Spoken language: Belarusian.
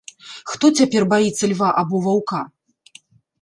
Хто цяпер баіцца льва або ваўка?